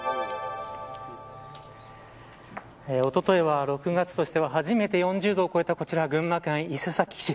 おとといは６月としては初めて４０度を超えたこちら群馬県伊勢崎市。